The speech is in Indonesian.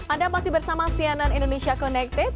anda masih bersama cnn indonesia connected